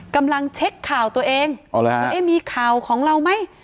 กำลังเช็คข่าวตัวเองว่าเอ๊ะมีข่าวของเราไหม